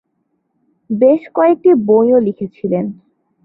বেশ কয়েকটি বইও লিখেছিলেন।